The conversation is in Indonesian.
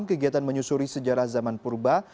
kegiatan menyusuri sejarah zaman purba